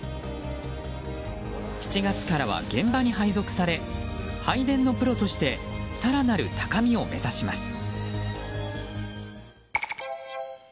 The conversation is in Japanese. ７月からは現場に配属され配電のプロとして更なる高みを目指します。